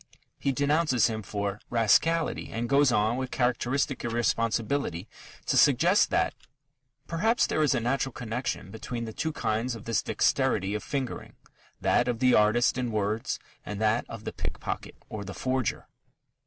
He denounces him for "rascality" and goes on with characteristic irresponsibility to suggest that "perhaps ... there is a natural connection between the two kinds of this dexterity of fingering that of the artist in words, and that of the pickpocket or the forger."